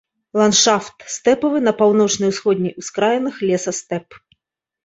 Ландшафт стэпавы, на паўночнай і ўсходняй ускраінах лесастэп.